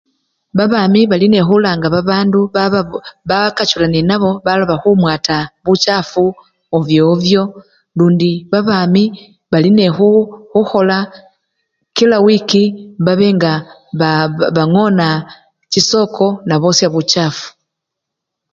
Babami bali nekhulanga babandu bababo! bakachula nenabo baloba khumwata buchafu ovyo ovyo lundi babami bali ne khu! khukhola kila wikii babe nga ba bangona chisoko nebosya buchafu.